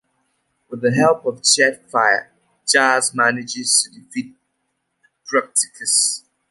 With the help of Jetfire, Jazz manages to defeat Bruticus.